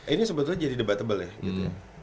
ini sebetulnya jadi debatable ya